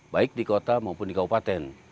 baik di kota maupun di kabupaten